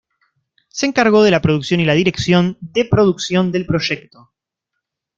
Se encargó de la producción y la dirección de producción del proyecto.